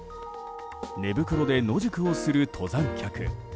寝袋で野宿をする登山客。